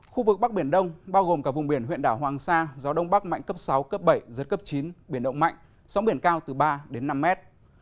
khu vực bắc biển đông bao gồm cả vùng biển huyện đảo hoàng sa gió đông bắc mạnh cấp sáu cấp bảy giật cấp chín biển động mạnh sóng biển cao từ ba đến năm mét